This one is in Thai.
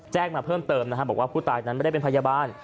มาเพิ่มเติมนะฮะบอกว่าผู้ตายนั้นไม่ได้เป็นพยาบาล